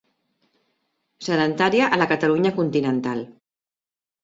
Sedentària a la Catalunya continental.